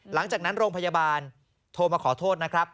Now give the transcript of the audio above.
หลังจากนั้นโรงพยาบาลโทรมาขอโทษนะครับ